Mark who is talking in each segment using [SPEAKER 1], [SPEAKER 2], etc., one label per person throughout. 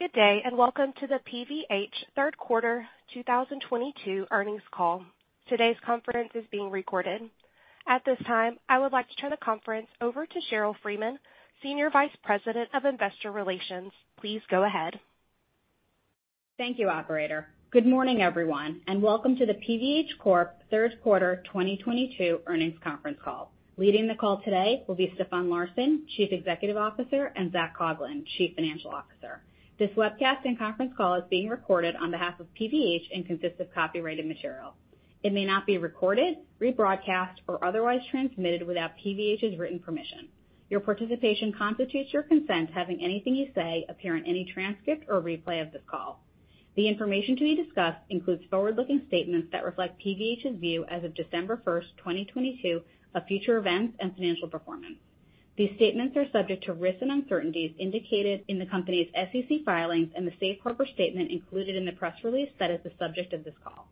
[SPEAKER 1] Good day, and welcome to the PVH third quarter 2022 earnings call. Today's conference is being recorded. At this time, I would like to turn the conference over to Sheryl Freeman, Senior Vice President of Investor Relations. Please go ahead.
[SPEAKER 2] Thank you, operator. Good morning, everyone, and welcome to the PVH Corp. third quarter 2022 earnings conference call. Leading the call today will be Stefan Larsson, Chief Executive Officer, and Zac Coughlin, Chief Financial Officer. This webcast and conference call is being recorded on behalf of PVH and consists of copyrighted material. It may not be recorded, rebroadcast, or otherwise transmitted without PVH's written permission. Your participation constitutes your consent to having anything you say appear in any transcript or replay of this call. The information to be discussed includes forward-looking statements that reflect PVH's view as of December first, 2022 of future events and financial performance. These statements are subject to risks and uncertainties indicated in the company's SEC filings and the safe harbor statement included in the press release that is the subject of this call.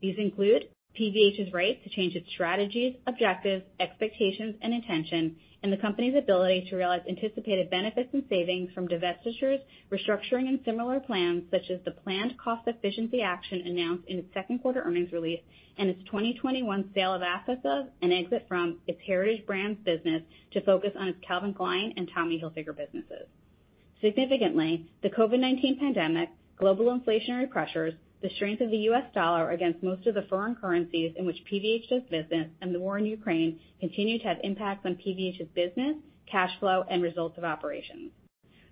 [SPEAKER 2] These include PVH's right to change its strategies, objectives, expectations, and intentions, and the company's ability to realize anticipated benefits and savings from divestitures, restructuring, and similar plans, such as the planned cost efficiency action announced in its second quarter earnings release and its 2021 sale of assets of, and exit from, its Heritage Brands business to focus on its Calvin Klein and Tommy Hilfiger businesses. Significantly, the COVID-19 pandemic, global inflationary pressures, the strength of the US dollar against most of the foreign currencies in which PVH does business, and the war in Ukraine continue to have impacts on PVH's business, cash flow, and results of operations.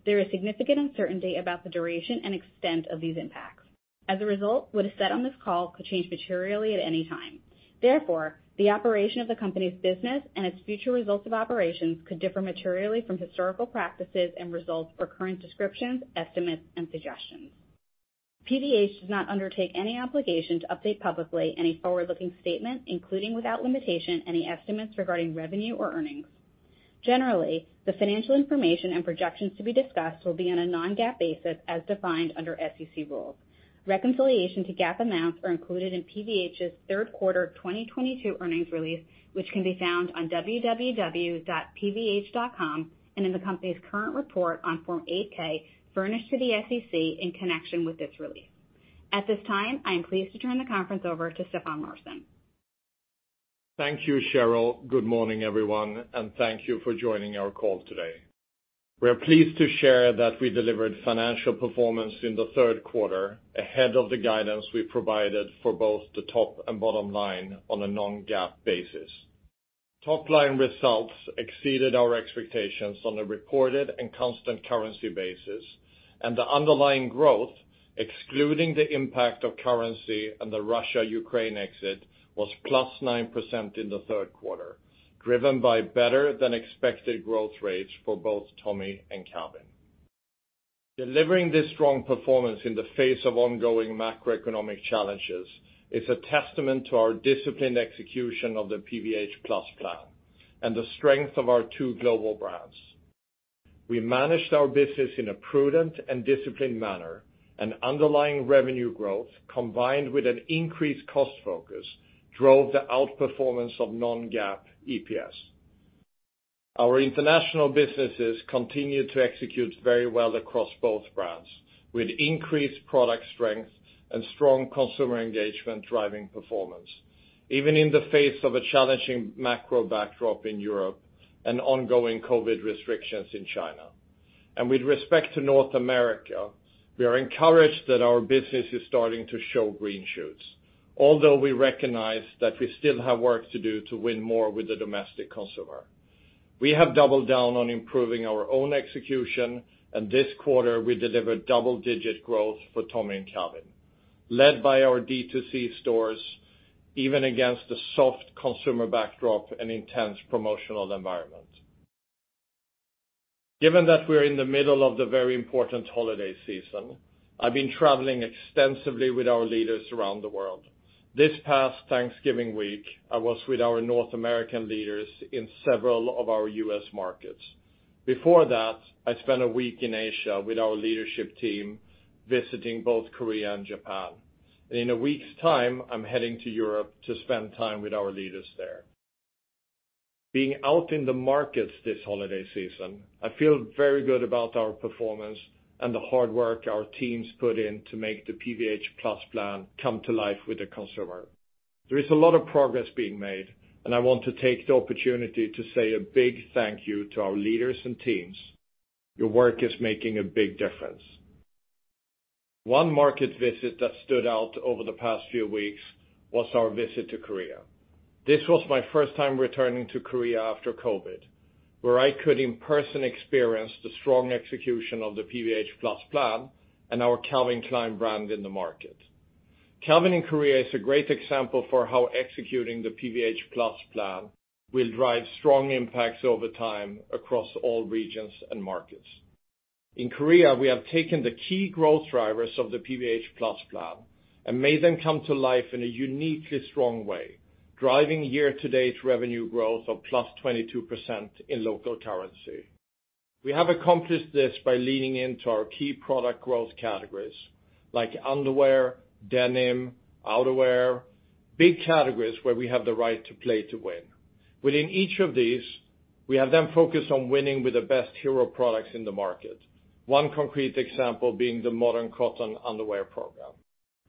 [SPEAKER 2] There is significant uncertainty about the duration and extent of these impacts. As a result, what is said on this call could change materially at any time. The operation of the company's business and its future results of operations could differ materially from historical practices and results for current descriptions, estimates, and suggestions. PVH does not undertake any obligation to update publicly any forward-looking statements, including, without limitation, any estimates regarding revenue or earnings. The financial information and projections to be discussed will be on a non-GAAP basis as defined under SEC rules. Reconciliation to GAAP amounts are included in PVH's third quarter 2022 earnings release, which can be found on www.pvh.com and in the company's current report on Form 8-K furnished to the SEC in connection with this release. At this time, I am pleased to turn the conference over to Stefan Larsson.
[SPEAKER 3] Thank you, Sheryl. Good morning, everyone, and thank you for joining our call today. We are pleased to share that we delivered financial performance in the 3rd quarter ahead of the guidance we provided for both the top and bottom line on a non-GAAP basis. Top-line results exceeded our expectations on a reported and constant currency basis, and the underlying growth, excluding the impact of currency and the Russia-Ukraine exit, was +9% in the 3rd quarter, driven by better than expected growth rates for both Tommy and Calvin. Delivering this strong performance in the face of ongoing macroeconomic challenges is a testament to our disciplined execution of the PVH+ Plan and the strength of our two global brands. We managed our business in a prudent and disciplined manner, and underlying revenue growth, combined with an increased cost focus, drove the outperformance of non-GAAP EPS. Our international businesses continued to execute very well across both brands, with increased product strength and strong consumer engagement driving performance, even in the face of a challenging macro backdrop in Europe and ongoing COVID restrictions in China. With respect to North America, we are encouraged that our business is starting to show green shoots, although we recognize that we still have work to do to win more with the domestic consumer. We have doubled down on improving our own execution, and this quarter we delivered double-digit growth for Tommy and Calvin, led by our D2C stores, even against a soft consumer backdrop and intense promotional environment. Given that we're in the middle of the very important holiday season, I've been traveling extensively with our leaders around the world. This past Thanksgiving week, I was with our North American leaders in several of our U.S. markets. Before that, I spent a week in Asia with our leadership team, visiting both Korea and Japan. In a week's time, I'm heading to Europe to spend time with our leaders there. Being out in the markets this holiday season, I feel very good about our performance and the hard work our teams put in to make the PVH+ Plan come to life with the consumer. There is a lot of progress being made, and I want to take the opportunity to say a big thank you to our leaders and teams. Your work is making a big difference. One market visit that stood out over the past few weeks was our visit to Korea. This was my first time returning to Korea after COVID, where I could in person experience the strong execution of the PVH+ Plan and our Calvin Klein brand in the market. Calvin in Korea is a great example for how executing the PVH+ Plan will drive strong impacts over time across all regions and markets. In Korea, we have taken the key growth drivers of the PVH+ Plan and made them come to life in a uniquely strong way, driving year-to-date revenue growth of +22% in local currency. We have accomplished this by leaning into our key product growth categories like underwear, denim, outerwear, big categories where we have the right to play to win. Within each of these, we have then focused on winning with the best hero products in the market. One concrete example being the Modern Cotton underwear program.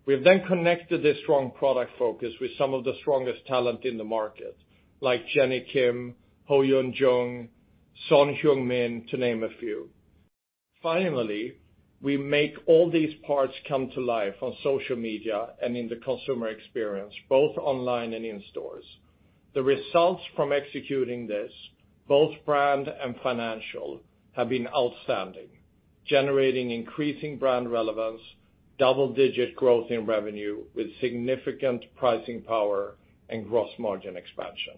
[SPEAKER 3] We've then connected this strong product focus with some of the strongest talent in the market, like Jennie Kim, Go Youn-jung, Son Heung-min, to name a few. We make all these parts come to life on social media and in the consumer experience, both online and in stores. The results from executing this, both brand and financial, have been outstanding, generating increasing brand relevance, double-digit growth in revenue with significant pricing power and gross margin expansion.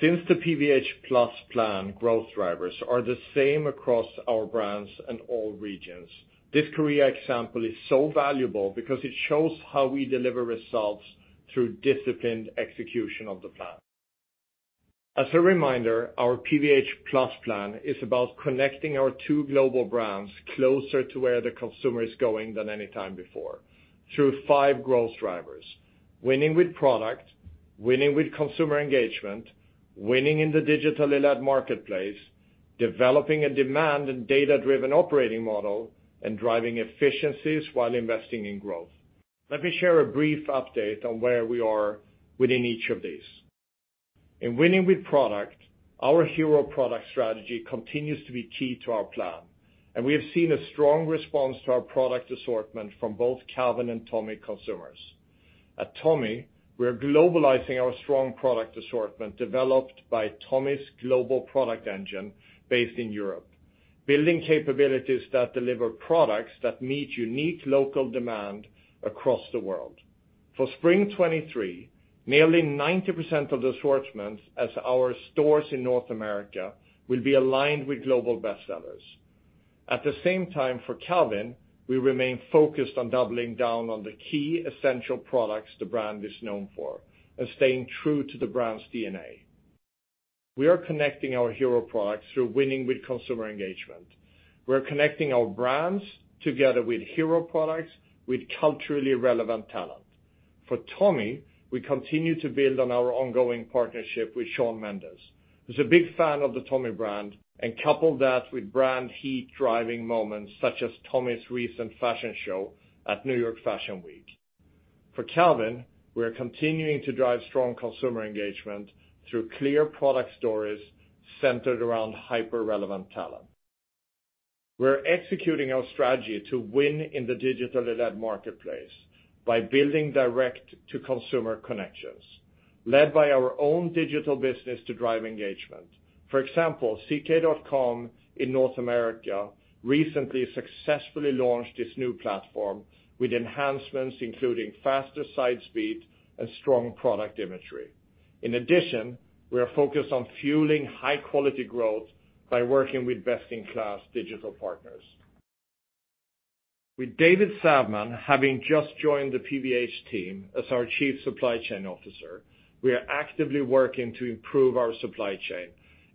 [SPEAKER 3] The PVH+ Plan growth drivers are the same across our brands and all regions, this Korea example is so valuable because it shows how we deliver results through disciplined execution of the plan. As a reminder, our PVH+ Plan is about connecting our two global brands closer to where the consumer is going than any time before, through five growth drivers: winning with product, winning with consumer engagement, winning in the digitally led marketplace, developing a demand in data-driven operating model, and driving efficiencies while investing in growth. Let me share a brief update on where we are within each of these. In winning with product, our hero product strategy continues to be key to our plan. We have seen a strong response to our product assortment from both Calvin and Tommy consumers. At Tommy, we are globalizing our strong product assortment developed by Tommy's global product engine based in Europe, building capabilities that deliver products that meet unique local demand across the world. For spring 2023, nearly 90% of the assortments as our stores in North America will be aligned with global bestsellers. At the same time for Calvin, we remain focused on doubling down on the key essential products the brand is known for and staying true to the brand's DNA. We are connecting our hero products through winning with consumer engagement. We're connecting our brands together with hero products with culturally relevant talent. For Tommy, we continue to build on our ongoing partnership with Shawn Mendes, who's a big fan of the Tommy brand, and couple that with brand heat-driving moments such as Tommy's recent fashion show at New York Fashion Week. For Calvin, we are continuing to drive strong consumer engagement through clear product stories centered around hyper-relevant talent. We're executing our strategy to win in the digitally led marketplace by building direct-to-consumer connections, led by our own digital business to drive engagement. For example, ck.com in North America recently successfully launched its new platform with enhancements including faster site speed and strong product imagery. In addition, we are focused on fueling high-quality growth by working with best-in-class digital partners. With David Savman having just joined the PVH team as our Chief Supply Chain Officer, we are actively working to improve our supply chain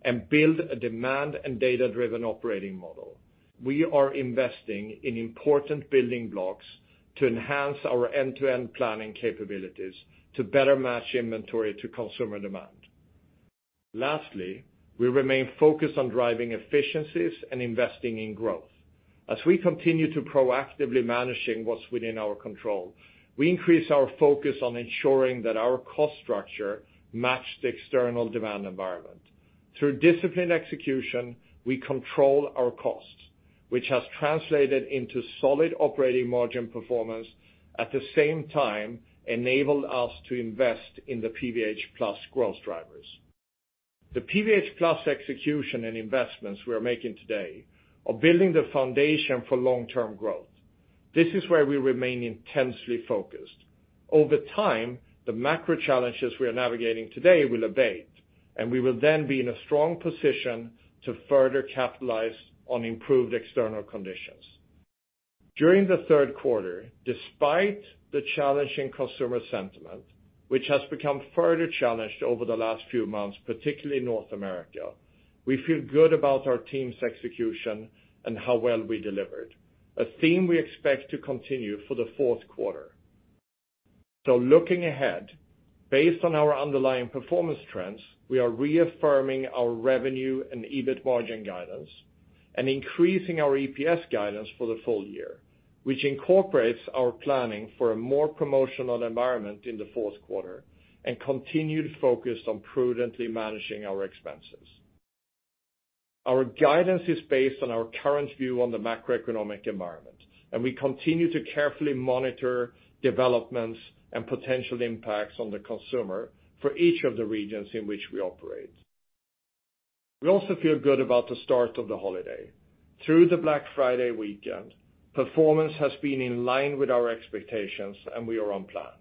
[SPEAKER 3] and build a demand and data-driven operating model. We are investing in important building blocks to enhance our end-to-end planning capabilities to better match inventory to consumer demand. Lastly, we remain focused on driving efficiencies and investing in growth. As we continue to proactively managing what's within our control, we increase our focus on ensuring that our cost structure match the external demand environment. Through disciplined execution, we control our costs, which has translated into solid operating margin performance. At the same time, enabled us to invest in the PVH+ growth drivers. The PVH+ execution and investments we are making today are building the foundation for long-term growth. This is where we remain intensely focused. Over time, the macro challenges we are navigating today will abate. We will then be in a strong position to further capitalize on improved external conditions. During the third quarter, despite the challenging consumer sentiment, which has become further challenged over the last few months, particularly in North America, we feel good about our team's execution and how well we delivered, a theme we expect to continue for the fourth quarter. Looking ahead, based on our underlying performance trends, we are reaffirming our revenue and EBIT margin guidance and increasing our EPS guidance for the full year, which incorporates our planning for a more promotional environment in the fourth quarter and continued focus on prudently managing our expenses. Our guidance is based on our current view on the macroeconomic environment, we continue to carefully monitor developments and potential impacts on the consumer for each of the regions in which we operate. We also feel good about the start of the holiday. Through the Black Friday weekend, performance has been in line with our expectations, and we are on plan.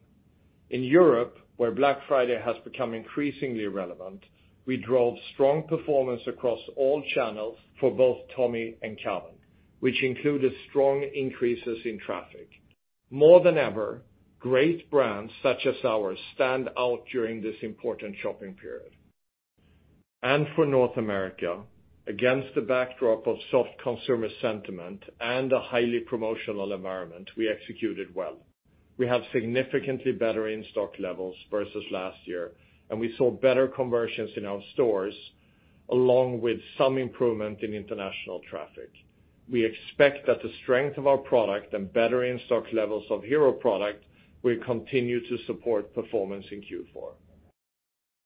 [SPEAKER 3] In Europe, where Black Friday has become increasingly relevant, we drove strong performance across all channels for both Tommy and Calvin, which included strong increases in traffic. More than ever, great brands such as ours stand out during this important shopping period. For North America, against the backdrop of soft consumer sentiment and a highly promotional environment, we executed well. We have significantly better in-stock levels versus last year, and we saw better conversions in our stores, along with some improvement in international traffic. We expect that the strength of our product and better in-stock levels of hero product will continue to support performance in Q4.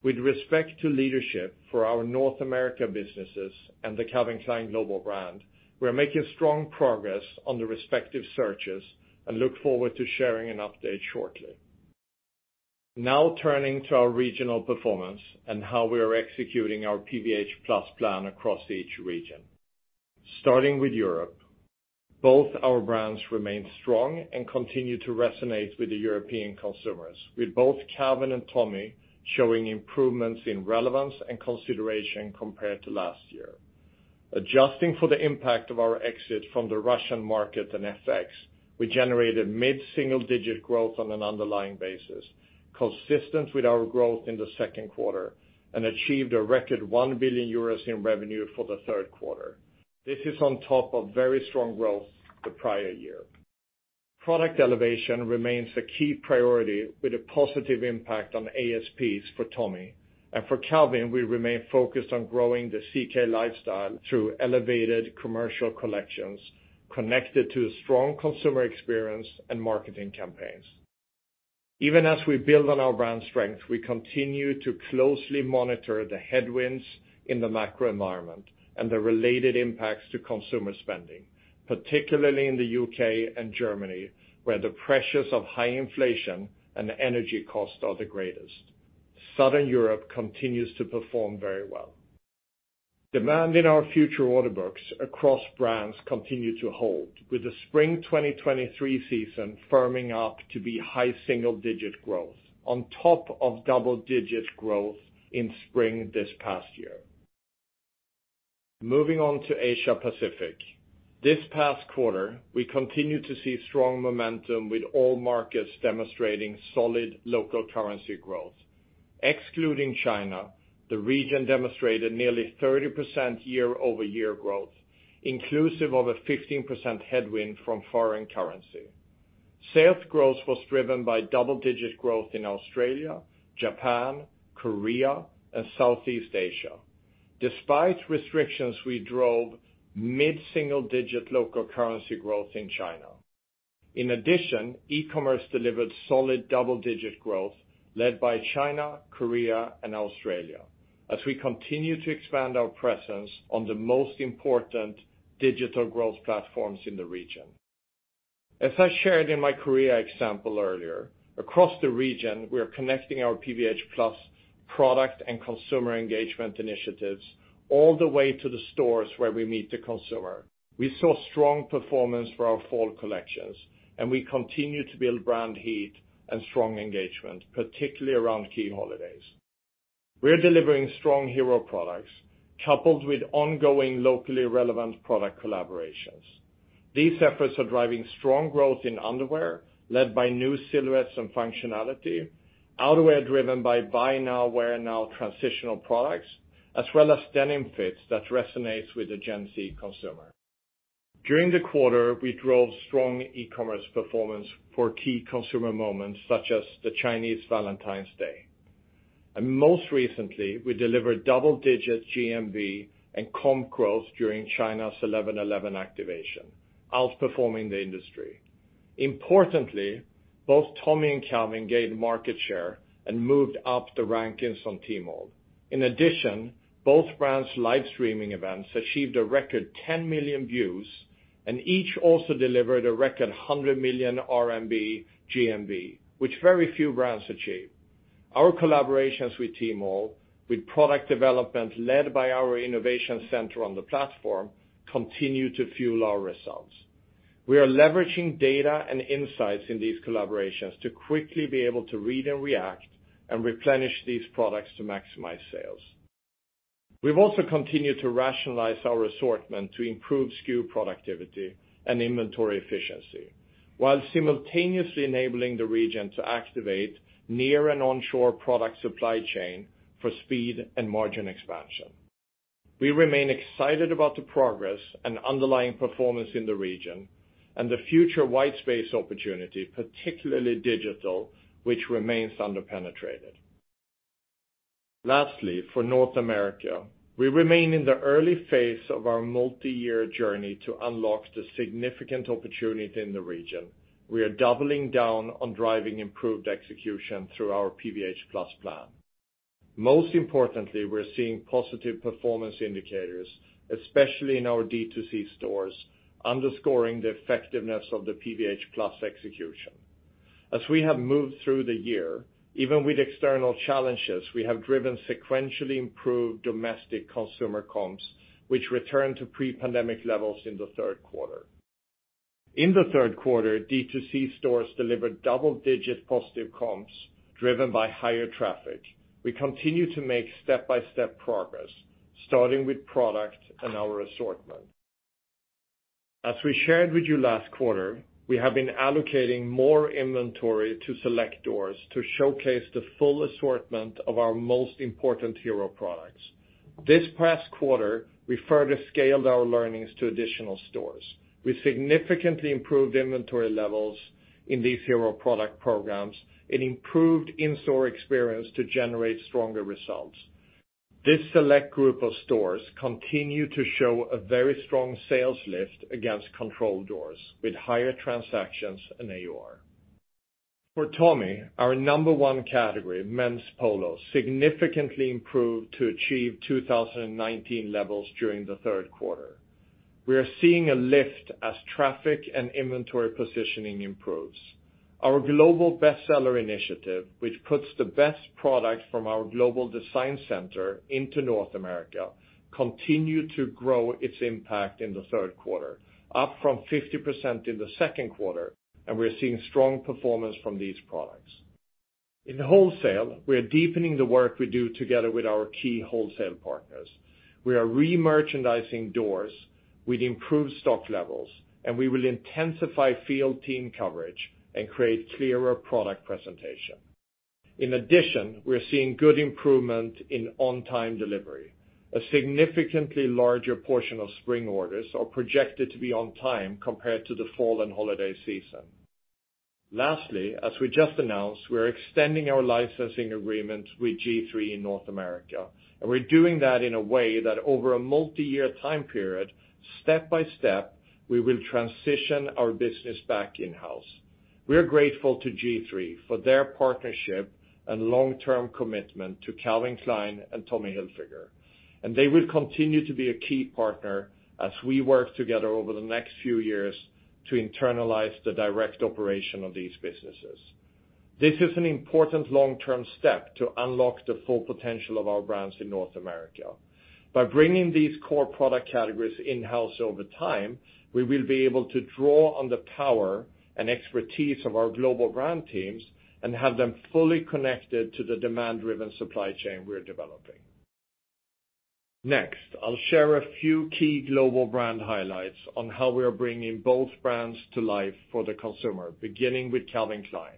[SPEAKER 3] With respect to leadership for our North America businesses and the Calvin Klein global brand, we are making strong progress on the respective searches and look forward to sharing an update shortly. Now turning to our regional performance and how we are executing our PVH+ Plan across each region. Starting with Europe, both our brands remain strong and continue to resonate with the European consumers, with both Calvin and Tommy showing improvements in relevance and consideration compared to last year. Adjusting for the impact of our exit from the Russian market and FX, we generated mid-single digit growth on an underlying basis, consistent with our growth in the second quarter, and achieved a record 1 billion euros in revenue for the third quarter. This is on top of very strong growth the prior year. Product elevation remains a key priority with a positive impact on ASPs for Tommy. For Calvin, we remain focused on growing the CK lifestyle through elevated commercial collections connected to a strong consumer experience and marketing campaigns. Even as we build on our brand strength, we continue to closely monitor the headwinds in the macro environment and the related impacts to consumer spending, particularly in the U.K. and Germany, where the pressures of high inflation and energy costs are the greatest. Southern Europe continues to perform very well. Demand in our future order books across brands continue to hold, with the spring 2023 season firming up to be high single-digit growth, on top of double-digit growth in spring this past year. Moving on to Asia Pacific. This past quarter, we continued to see strong momentum with all markets demonstrating solid local currency growth. Excluding China, the region demonstrated nearly 30% year-over-year growth, inclusive of a 15% headwind from foreign currency. Sales growth was driven by double-digit growth in Australia, Japan, Korea, and Southeast Asia. Despite restrictions, we drove mid-single digit local currency growth in China. In addition, e-commerce delivered solid double-digit growth led by China, Korea, and Australia as we continue to expand our presence on the most important digital growth platforms in the region. As I shared in my career example earlier, across the region, we are connecting our PVH+ product and consumer engagement initiatives all the way to the stores where we meet the consumer. We saw strong performance for our fall collections, and we continue to build brand heat and strong engagement, particularly around key holidays. We are delivering strong hero products coupled with ongoing locally relevant product collaborations. These efforts are driving strong growth in underwear, led by new silhouettes and functionality, outerwear driven by buy now, wear now transitional products, as well as denim fits that resonates with the Gen Z consumer. During the quarter, we drove strong e-commerce performance for key consumer moments such as the Chinese Valentine's Day. Most recently, we delivered double-digit GMV and comp growth during China's Eleven Eleven activation, outperforming the industry. Importantly, both Tommy and Calvin gained market share and moved up the rankings on Tmall. In addition, both brands' live streaming events achieved a record 10 million views, and each also delivered a record 100 million RMB GMV, which very few brands achieve. Our collaborations with Tmall, with product development led by our innovation center on the platform, continue to fuel our results. We are leveraging data and insights in these collaborations to quickly be able to read and react and replenish these products to maximize sales. We've also continued to rationalize our assortment to improve SKU productivity and inventory efficiency, while simultaneously enabling the region to activate near and onshore product supply chain for speed and margin expansion. We remain excited about the progress and underlying performance in the region and the future wide space opportunity, particularly digital, which remains underpenetrated. Lastly, for North America, we remain in the early phase of our multi-year journey to unlock the significant opportunity in the region. We are doubling down on driving improved execution through our PVH+ Plan. Most importantly, we're seeing positive performance indicators, especially in our D2C stores, underscoring the effectiveness of the PVH+ execution. As we have moved through the year, even with external challenges, we have driven sequentially improved domestic consumer comps, which returned to pre-pandemic levels in the third quarter. In the third quarter, D2C stores delivered double-digit positive comps driven by higher traffic. We continue to make step-by-step progress, starting with product and our assortment. As we shared with you last quarter, we have been allocating more inventory to select doors to showcase the full assortment of our most important hero products. This past quarter, we further scaled our learnings to additional stores. We significantly improved inventory levels in these hero product programs and improved in-store experience to generate stronger results. This select group of stores continue to show a very strong sales lift against control doors with higher transactions and AUR. For Tommy, our number one category, men's polos, significantly improved to achieve 2019 levels during the third quarter. We are seeing a lift as traffic and inventory positioning improves. Our global bestseller initiative, which puts the best products from our global design center into North America, continued to grow its impact in the third quarter, up from 50% in the second quarter. We're seeing strong performance from these products. In wholesale, we are deepening the work we do together with our key wholesale partners. We are remerchandising doors with improved stock levels. We will intensify field team coverage and create clearer product presentation. In addition, we're seeing good improvement in on-time delivery. A significantly larger portion of spring orders are projected to be on time compared to the fall and holiday season. Lastly, as we just announced, we're extending our licensing agreement with G-III in North America, and we're doing that in a way that over a multiyear time period, step-by-step, we will transition our business back in-house. We are grateful to G-III for their partnership and long-term commitment to Calvin Klein and Tommy Hilfiger, and they will continue to be a key partner as we work together over the next few years to internalize the direct operation of these businesses. This is an important long-term step to unlock the full potential of our brands in North America. By bringing these core product categories in-house over time, we will be able to draw on the power and expertise of our global brand teams and have them fully connected to the demand-driven supply chain we are developing. I'll share a few key global brand highlights on how we are bringing both brands to life for the consumer, beginning with Calvin Klein.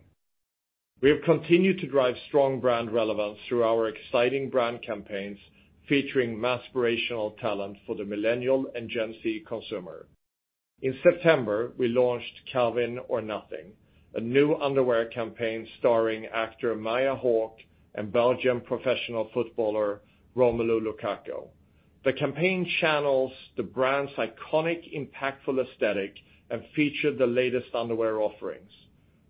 [SPEAKER 3] We have continued to drive strong brand relevance through our exciting brand campaigns featuring mass aspirational talent for the Millennial and Gen Z consumer. In September, we launched Calvins or Nothing, a new underwear campaign starring actor Maya Hawke and Belgian professional footballer Romelu Lukaku. The campaign channels the brand's iconic, impactful aesthetic and featured the latest underwear offerings.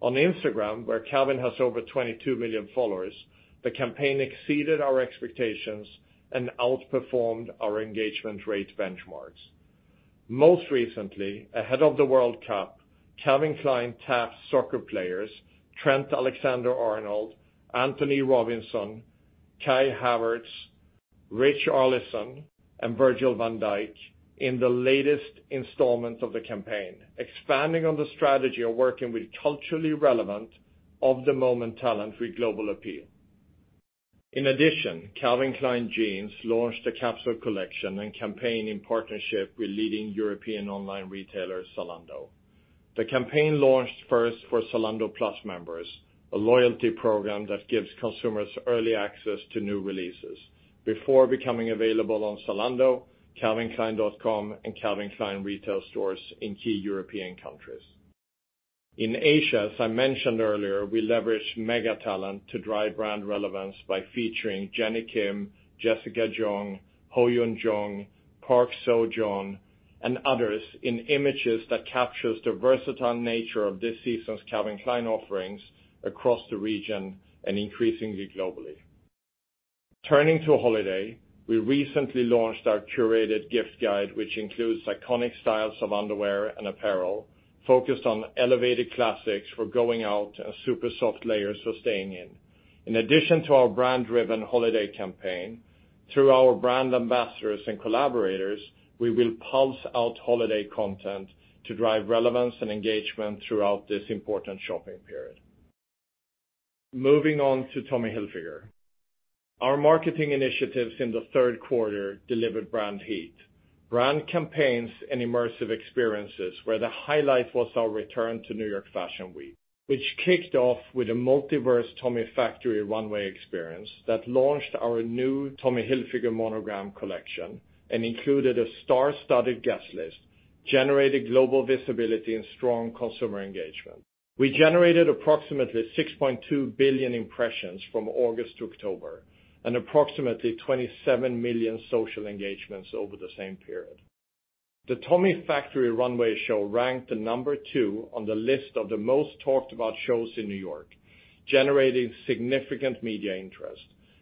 [SPEAKER 3] On Instagram, where Calvin has over 22 million followers, the campaign exceeded our expectations and outperformed our engagement rate benchmarks. Ahead of the World Cup, Calvin Klein tapped soccer players Trent Alexander-Arnold, Antonee Robinson Kai Havertz, Richarlison, and Virgil van Dijk in the latest installment of the campaign, expanding on the strategy of working with culturally relevant, of-the-moment talent with global appeal. Calvin Klein Jeans launched a capsule collection and campaign in partnership with leading European online retailer, Zalando. The campaign launched first for Zalando Plus members, a loyalty program that gives consumers early access to new releases before becoming available on Zalando, calvinklein.com, and Calvin Klein retail stores in key European countries. In Asia, as I mentioned earlier, we leveraged mega talent to drive brand relevance by featuring Jennie Kim, Jessica Jung, Ho-yeon Jung, Park Seo-joon, and others in images that captures the versatile nature of this season's Calvin Klein offerings across the region and increasingly globally. Turning to holiday, we recently launched our curated gift guide, which includes iconic styles of underwear and apparel focused on elevated classics for going out and super soft layers for staying in. In addition to our brand-driven holiday campaign, through our brand ambassadors and collaborators, we will pulse out holiday content to drive relevance and engagement throughout this important shopping period. Moving on to Tommy Hilfiger. Our marketing initiatives in the third quarter delivered brand heat. Brand campaigns and immersive experiences where the highlight was our return to New York Fashion Week, which kicked off with a multiverse Tommy Factory runway experience that launched our new Tommy Hilfiger monogram collection and included a star-studded guest list, generated global visibility, and strong consumer engagement. We generated approximately 6.2 billion impressions from August to October, and approximately 27 million social engagements over the same period. The Tommy Factory runway show ranked the two on the list of the most talked about shows in New York, generating significant media interest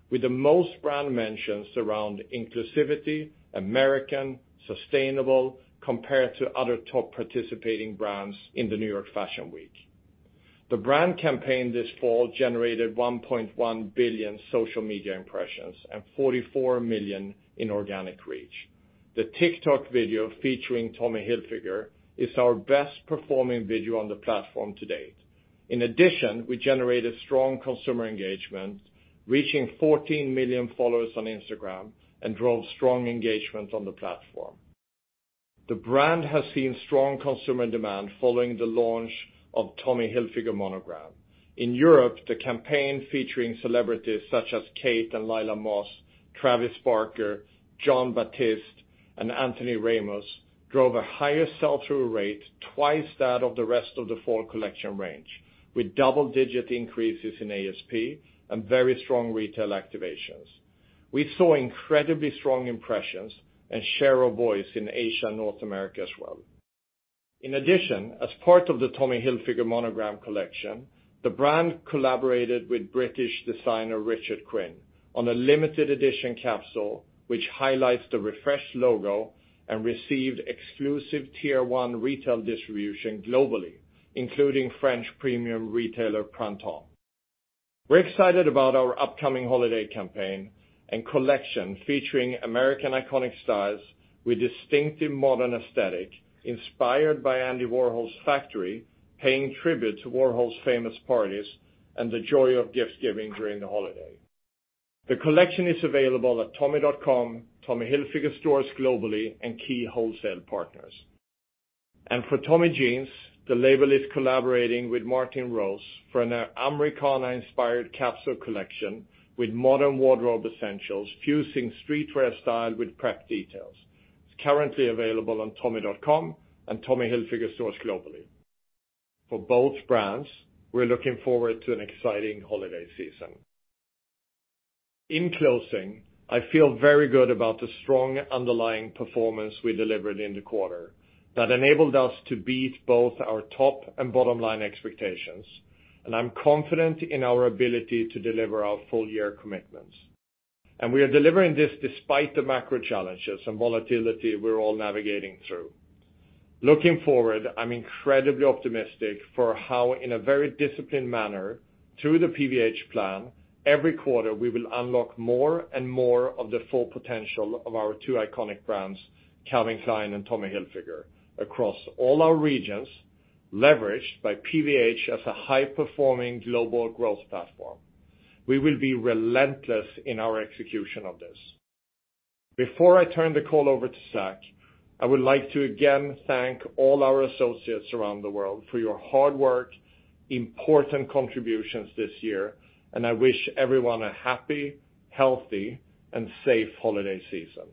[SPEAKER 3] with the most brand mentions around inclusivity, American, sustainable compared to other top participating brands in the New York Fashion Week. The brand campaign this fall generated 1.1 billion social media impressions and 44 million in organic reach. The TikTok video featuring Tommy Hilfiger is our best performing video on the platform to date. In addition, we generated strong consumer engagement, reaching 14 million followers on Instagram, and drove strong engagement on the platform. The brand has seen strong consumer demand following the launch of Tommy Hilfiger Monogram. In Europe, the campaign featuring celebrities such as Kate and Lila Moss, Travis Barker, Jon Batiste, and Anthony Ramos drove a higher sell-through rate, twice that of the rest of the fall collection range, with double-digit increases in ASP and very strong retail activations. We saw incredibly strong impressions and share of voice in Asia and North America as well. As part of the Tommy Hilfiger Monogram collection, the brand collaborated with British designer Richard Quinn on a limited edition capsule which highlights the refreshed logo and received exclusive tier one retail distribution globally, including French premium retailer Printemps. We're excited about our upcoming holiday campaign and collection featuring American iconic styles with distinctive modern aesthetic inspired by Andy Warhol's Factory, paying tribute to Warhol's famous parties and the joy of gift-giving during the holiday. The collection is available at tommy.com, Tommy Hilfiger stores globally, and key wholesale partners. For Tommy Jeans, the label is collaborating with Martine Rose for an Americana-inspired capsule collection with modern wardrobe essentials fusing streetwear style with prep details. It's currently available on tommy.com and Tommy Hilfiger stores globally. For both brands, we're looking forward to an exciting holiday season. In closing, I feel very good about the strong underlying performance we delivered in the quarter that enabled us to beat both our top and bottom-line expectations, and I'm confident in our ability to deliver our full year commitments. We are delivering this despite the macro challenges and volatility we're all navigating through. Looking forward, I'm incredibly optimistic for how, in a very disciplined manner, through the PVH plan, every quarter, we will unlock more and more of the full potential of our two iconic brands, Calvin Klein and Tommy Hilfiger, across all our regions, leveraged by PVH as a high-performing global growth platform. We will be relentless in our execution of this. Before I turn the call over to Zac, I would like to again thank all our associates around the world for your hard work, important contributions this year, and I wish everyone a happy, healthy, and safe holiday season.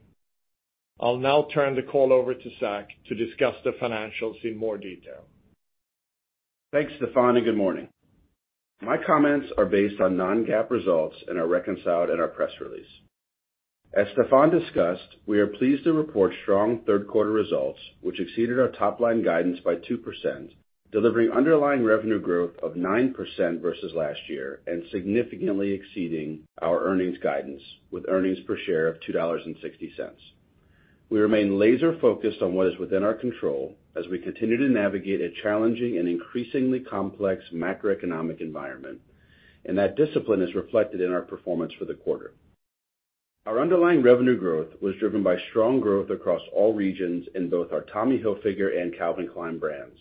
[SPEAKER 3] I'll now turn the call over to Zac to discuss the financials in more detail.
[SPEAKER 4] Thanks, Stefan, and good morning. My comments are based on non-GAAP results and are reconciled in our press release. As Stefan discussed, we are pleased to report strong third quarter results, which exceeded our top-line guidance by 2%, delivering underlying revenue growth of 9% versus last year, and significantly exceeding our earnings guidance with earnings per share of $2.60. We remain laser-focused on what is within our control as we continue to navigate a challenging and increasingly complex macroeconomic environment, and that discipline is reflected in our performance for the quarter. Our underlying revenue growth was driven by strong growth across all regions in both our Tommy Hilfiger and Calvin Klein brands.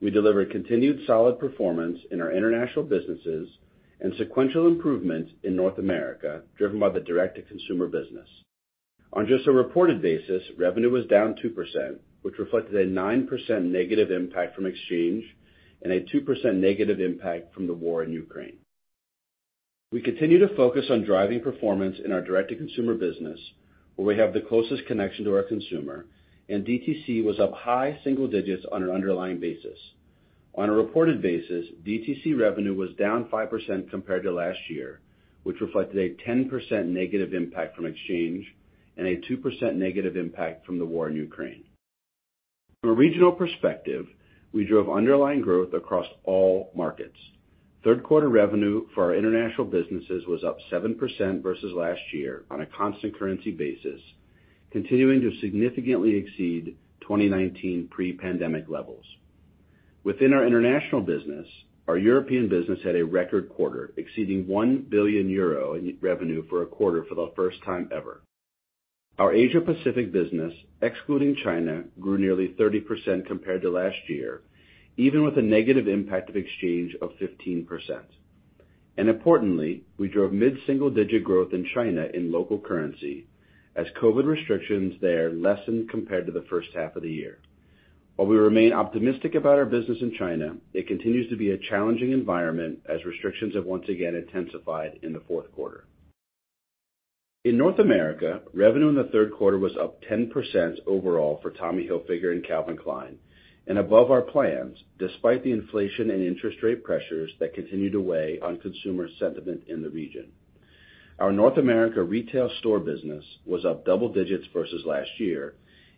[SPEAKER 4] We delivered continued solid performance in our international businesses and sequential improvement in North America, driven by the direct-to-consumer business. On just a reported basis, revenue was down 2%, which reflected a 9% negative impact from exchange and a 2% negative impact from the war in Ukraine. We continue to focus on driving performance in our direct-to-consumer business, where we have the closest connection to our consumer. DTC was up high single digits on an underlying basis. On a reported basis, DTC revenue was down 5% compared to last year, which reflected a 10% negative impact from exchange and a 2% negative impact from the war in Ukraine. From a regional perspective, we drove underlying growth across all markets. Third quarter revenue for our international businesses was up 7% versus last year on a constant currency basis, continuing to significantly exceed 2019 pre-pandemic levels. Within our international business, our European business had a record quarter, exceeding 1 billion euro in revenue for a quarter for the first time ever. Our Asia Pacific business, excluding China, grew nearly 30% compared to last year, even with a negative impact of exchange of 15%. Importantly, we drove mid-single-digit growth in China in local currency as COVID restrictions there lessened compared to the first half of the year. While we remain optimistic about our business in China, it continues to be a challenging environment as restrictions have once again intensified in the fourth quarter. In North America, revenue in the third quarter was up 10% overall for Tommy Hilfiger and Calvin Klein and above our plans, despite the inflation and interest rate pressures that continue to weigh on consumer sentiment in the region. Our North America retail store business was up double digits versus last year,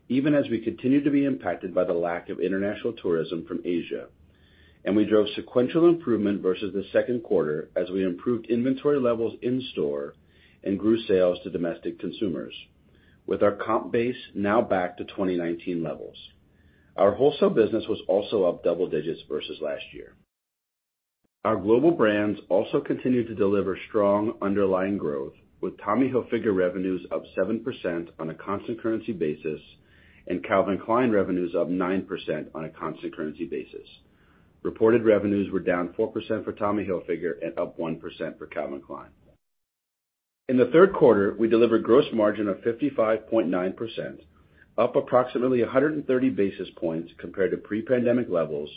[SPEAKER 4] even as we continued to be impacted by the lack of international tourism from Asia. We drove sequential improvement versus the second quarter as we improved inventory levels in store and grew sales to domestic consumers, with our comp base now back to 2019 levels. Our wholesale business was also up double digits versus last year. Our global brands also continued to deliver strong underlying growth, with Tommy Hilfiger revenues up 7% on a constant currency basis and Calvin Klein revenues up 9% on a constant currency basis. Reported revenues were down 4% for Tommy Hilfiger and up 1% for Calvin Klein. In the third quarter, we delivered gross margin of 55.9%, up approximately 130 basis points compared to pre-pandemic levels,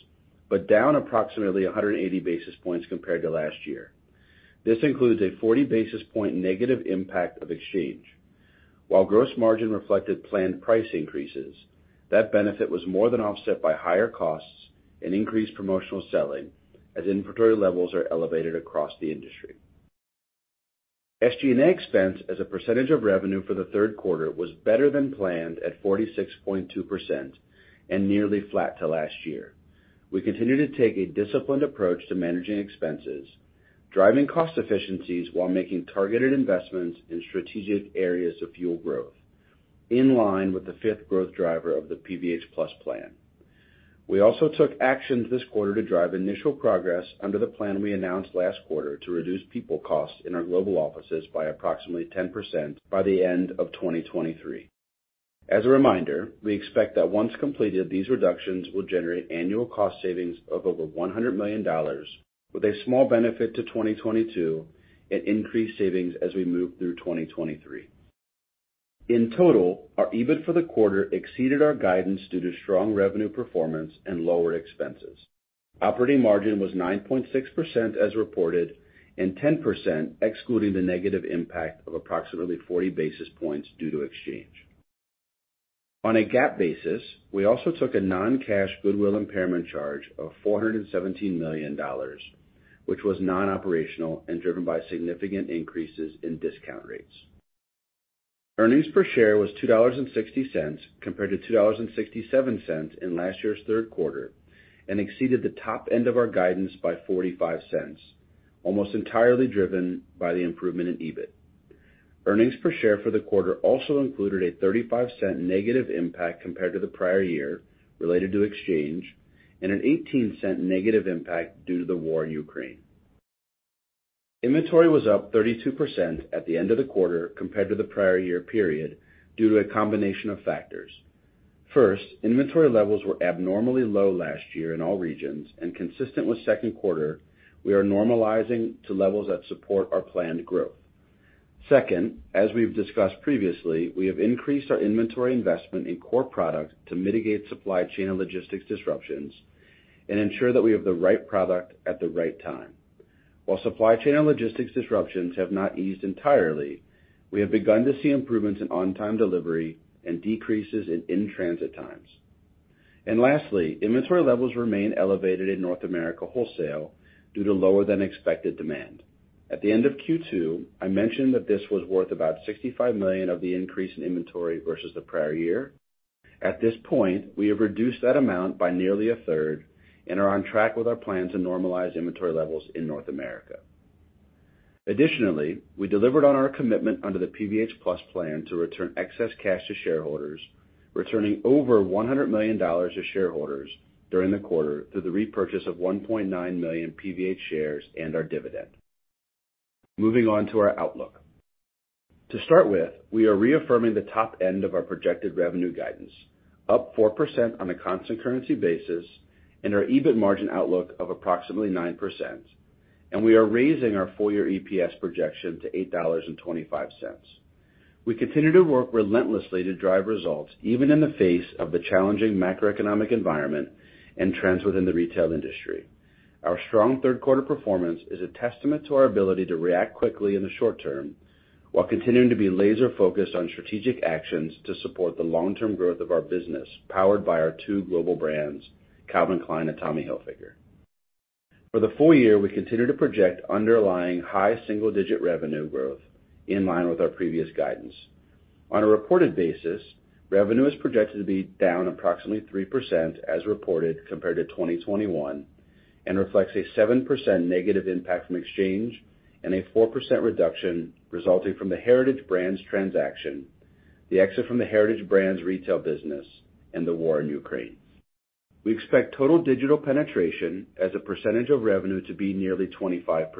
[SPEAKER 4] but down approximately 180 basis points compared to last year. This includes a 40 basis point negative impact of exchange. While gross margin reflected planned price increases, that benefit was more than offset by higher costs and increased promotional selling as inventory levels are elevated across the industry. SG&A expense as a percentage of revenue for the third quarter was better than planned at 46.2% and nearly flat to last year. We continue to take a disciplined approach to managing expenses, driving cost efficiencies while making targeted investments in strategic areas of fuel growth, in line with the fifth growth driver of the PVH+ Plan. We also took actions this quarter to drive initial progress under the plan we announced last quarter to reduce people costs in our global offices by approximately 10% by the end of 2023. As a reminder, we expect that once completed, these reductions will generate annual cost savings of over $100 million with a small benefit to 2022 and increased savings as we move through 2023. In total, our EBIT for the quarter exceeded our guidance due to strong revenue performance and lower expenses. Operating margin was 9.6% as reported, and 10% excluding the negative impact of approximately 40 basis points due to exchange. On a GAAP basis, we also took a non-cash goodwill impairment charge of $417 million, which was non-operational and driven by significant increases in discount rates. Earnings per share was $2.60 compared to $2.67 in last year's third quarter, and exceeded the top end of our guidance by $0.45, almost entirely driven by the improvement in EBIT. Earnings per share for the quarter also included a $0.35 negative impact compared to the prior year related to exchange and an $0.18 negative impact due to the war in Ukraine. Inventory was up 32% at the end of the quarter compared to the prior year period due to a combination of factors. First, inventory levels were abnormally low last year in all regions, and consistent with second quarter, we are normalizing to levels that support our planned growth. Second, as we've discussed previously, we have increased our inventory investment in core products to mitigate supply chain and logistics disruptions and ensure that we have the right product at the right time. While supply chain and logistics disruptions have not eased entirely, we have begun to see improvements in on-time delivery and decreases in in-transit times. Lastly, inventory levels remain elevated in North America wholesale due to lower than expected demand. At the end of Q2, I mentioned that this was worth about $65 million of the increase in inventory versus the prior year. At this point, we have reduced that amount by nearly a third and are on track with our plans to normalize inventory levels in North America. We delivered on our commitment under the PVH+ Plan to return excess cash to shareholders, returning over $100 million to shareholders during the quarter through the repurchase of 1.9 million PVH shares and our dividend. Moving on to our outlook. To start with, we are reaffirming the top end of our projected revenue guidance, up 4% on a constant currency basis and our EBIT margin outlook of approximately 9%, we are raising our full-year EPS projection to $8.25. We continue to work relentlessly to drive results, even in the face of the challenging macroeconomic environment and trends within the retail industry. Our strong third quarter performance is a testament to our ability to react quickly in the short term while continuing to be laser-focused on strategic actions to support the long-term growth of our business, powered by our two global brands, Calvin Klein and Tommy Hilfiger. For the full year, we continue to project underlying high single-digit revenue growth in line with our previous guidance. On a reported basis, revenue is projected to be down approximately 3% as reported compared to 2021, and reflects a 7% negative impact from exchange and a 4% reduction resulting from the Heritage Brands transaction, the exit from the Heritage Brands retail business, and the war in Ukraine. We expect total digital penetration as a percentage of revenue to be nearly 25%.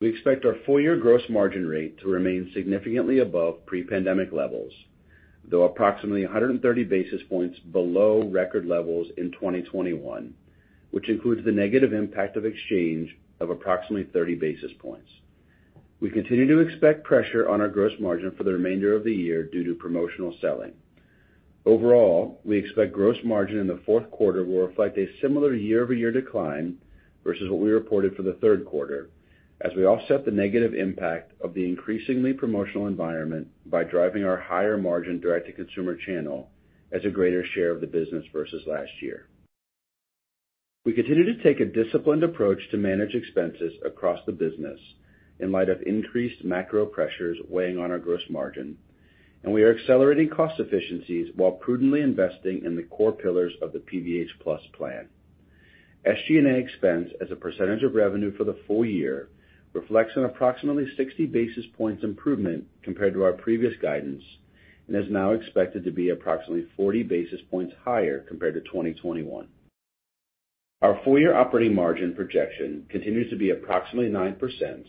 [SPEAKER 4] We expect our full-year gross margin rate to remain significantly above pre-pandemic levels, though approximately 130 basis points below record levels in 2021, which includes the negative impact of exchange of approximately 30 basis points. We continue to expect pressure on our gross margin for the remainder of the year due to promotional selling. Overall, we expect gross margin in the fourth quarter will reflect a similar year-over-year decline versus what we reported for the third quarter as we offset the negative impact of the increasingly promotional environment by driving our higher margin direct-to-consumer channel as a greater share of the business versus last year. We continue to take a disciplined approach to manage expenses across the business in light of increased macro pressures weighing on our gross margin, We are accelerating cost efficiencies while prudently investing in the core pillars of the PVH+ Plan. SG&A expense as a percentage of revenue for the full year reflects an approximately 60 basis points improvement compared to our previous guidance, Is now expected to be approximately 40 basis points higher compared to 2021. Our full-year operating margin projection continues to be approximately 9%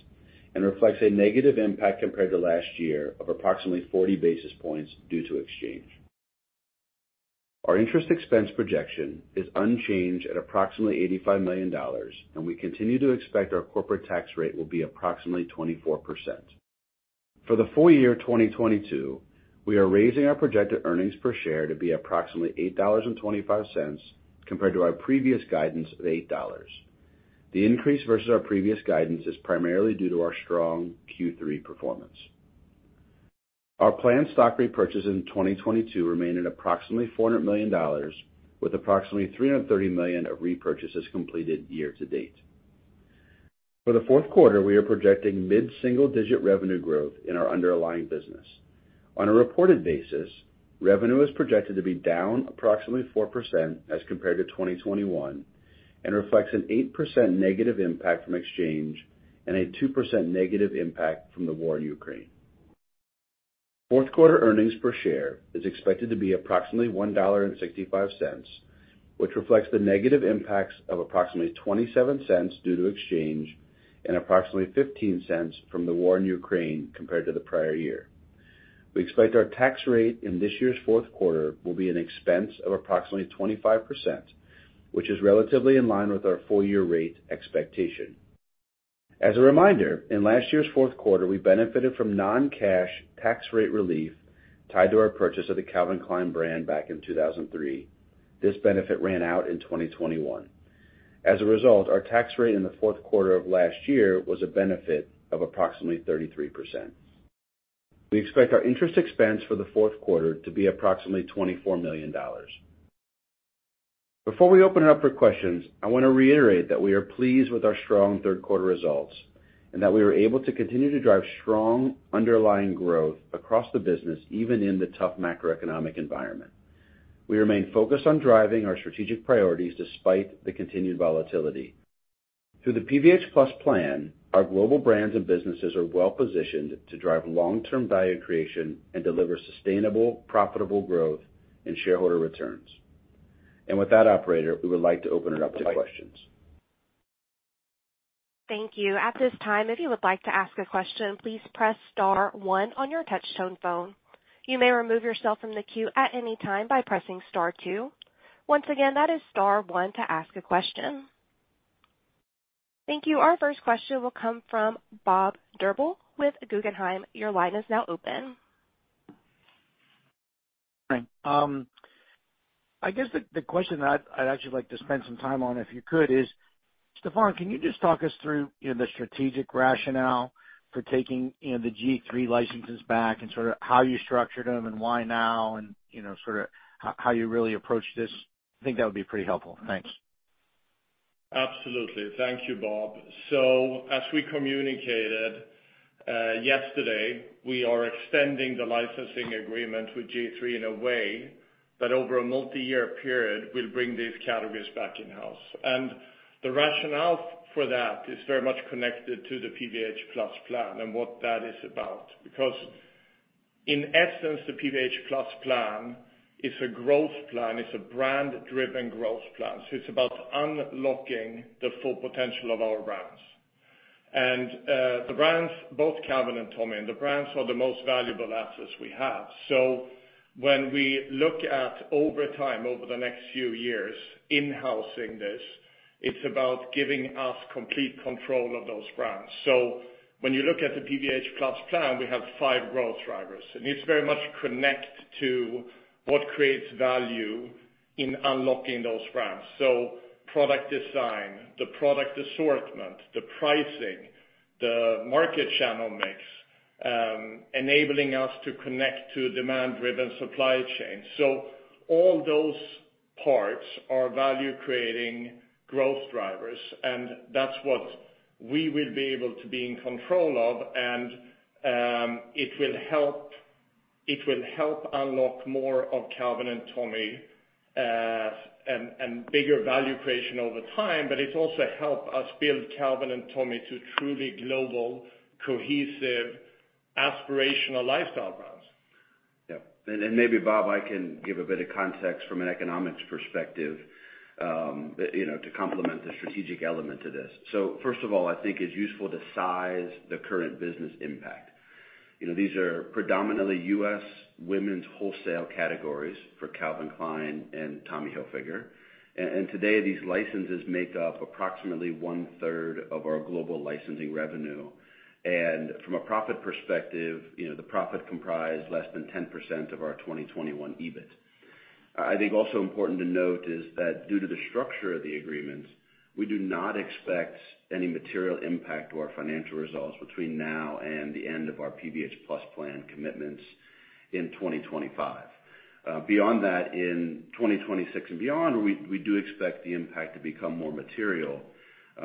[SPEAKER 4] and reflects a negative impact compared to last year of approximately 40 basis points due to exchange. Our interest expense projection is unchanged at approximately $85 million, We continue to expect our corporate tax rate will be approximately 24%. For the full year 2022, we are raising our projected EPS to be approximately $8.25 compared to our previous guidance of $8. The increase versus our previous guidance is primarily due to our strong Q3 performance. Our planned stock repurchase in 2022 remain at approximately $400 million, with approximately $330 million of repurchases completed year-to-date. For the fourth quarter, we are projecting mid-single-digit revenue growth in our underlying business. On a reported basis, revenue is projected to be down approximately 4% as compared to 2021 and reflects an 8% negative impact from exchange and a 2% negative impact from the war in Ukraine. Fourth quarter earnings per share is expected to be approximately $1.65, which reflects the negative impacts of approximately $0.27 due to exchange and approximately $0.15 from the war in Ukraine compared to the prior year. We expect our tax rate in this year's fourth quarter will be an expense of approximately 25%, which is relatively in line with our full year rate expectation. As a reminder, in last year's fourth quarter, we benefited from non-cash tax rate relief tied to our purchase of the Calvin Klein brand back in 2003. This benefit ran out in 2021. As a result, our tax rate in the fourth quarter of last year was a benefit of approximately 33%. We expect our interest expense for the fourth quarter to be approximately $24 million. Before we open it up for questions, I wanna reiterate that we are pleased with our strong third quarter results and that we were able to continue to drive strong underlying growth across the business, even in the tough macroeconomic environment. We remain focused on driving our strategic priorities despite the continued volatility. Through the PVH+ Plan, our global brands and businesses are well positioned to drive long-term value creation and deliver sustainable, profitable growth and shareholder returns. With that operator, we would like to open it up to questions.
[SPEAKER 1] Thank you. At this time, if you would like to ask a question, please press star one on your touch tone phone. You may remove yourself from the queue at any time by pressing star two. Once again, that is star one to ask a question. Thank you. Our first question will come from Robert Drbul with Guggenheim. Your line is now open.
[SPEAKER 5] Hi. I guess the question that I'd actually like to spend some time on, if you could, is, Stefan, can you just talk us through, you know, the strategic rationale for taking, you know, the G-III licenses back and sort of how you structured them and why now and, you know, sorta how you really approached this? I think that would be pretty helpful. Thanks.
[SPEAKER 3] Absolutely. Thank you, Bob. As we communicated, yesterday, we are extending the licensing agreement with G-III in a way that over a multiyear period will bring these categories back in-house. The rationale for that is very much connected to the PVH+ Plan and what that is about. In essence, the PVH+ Plan is a growth plan. It's a brand-driven growth plan. It's about unlocking the full potential of our brands. The brands, both Calvin and Tommy, and the brands are the most valuable assets we have. When we look at over time, over the next few years in-housing this, it's about giving us complete control of those brands. When you look at the PVH+ Plan, we have five growth drivers, and it's very much connect to what creates value in unlocking those brands. Product design, the product assortment, the pricing, the market channel mix, enabling us to connect to demand-driven supply chain. All those parts are value-creating growth drivers, and that's what we will be able to be in control of. It will help unlock more of Calvin and Tommy, and bigger value creation over time. It's also help us build Calvin and Tommy to truly global, cohesive, aspirational lifestyle brands.
[SPEAKER 4] Yeah. Maybe, Bob, I can give a bit of context from an economics perspective, you know, to complement the strategic element to this. First of all, I think it's useful to size the current business impact. You know, these are predominantly U.S. women's wholesale categories for Calvin Klein and Tommy Hilfiger. Today, these licenses make up approximately one-third of our global licensing revenue. From a profit perspective, you know, the profit comprised less than 10% of our 2021 EBIT. I think also important to note is that due to the structure of the agreements, we do not expect any material impact to our financial results between now and the end of our PVH+ Plan commitments in 2025. Beyond that, in 2026 and beyond, we do expect the impact to become more material.